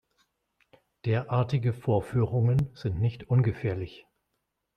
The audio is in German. Derartige Vorführungen sind nicht ungefährlich.